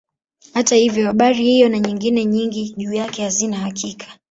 Hata hivyo habari hiyo na nyingine nyingi juu yake hazina hakika.